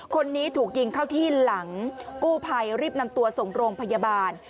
คนนี้ถูกยิงเข้าที่หลังกู้ภัยรีบนำตัวส่งโรงพยาบาล